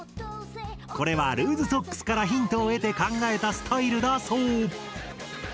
これはルーズソックスからヒントを得て考えたスタイルだそう！